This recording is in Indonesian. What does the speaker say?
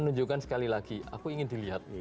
menunjukkan sekali lagi aku ingin dilihat